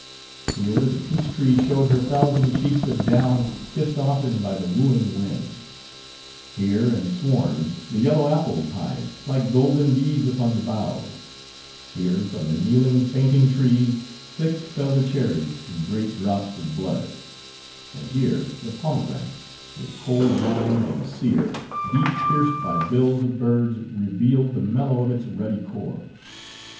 Here, the peach tree showed her thousand cheeks of down, kissed often by the wooing winds; here, in swarms; the yellow apples hived, like golden bees upon the boughs; here, from the kneeling, fainting trees, thick fell the cherries, in great drops of blood; and here, the pomegranate, with cold rind and sere, deep pierced by bills of birds revealed the mellow of its ruddy core.